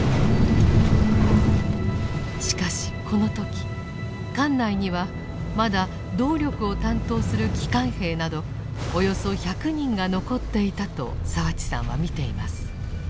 しかしこの時艦内にはまだ動力を担当する機関兵などおよそ１００人が残っていたと澤地さんは見ています。